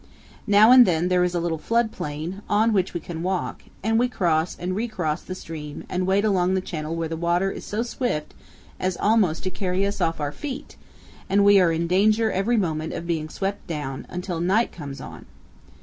Now and then there is a little flood plain, on which we can walk, and we cross and recross the stream and wade along the channel where the water is so swift as almost to carry us off our feet and we are in danger every moment of being swept down, until night comes on.